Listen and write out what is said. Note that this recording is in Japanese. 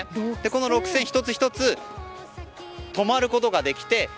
この６０００１つ１つ泊まることができて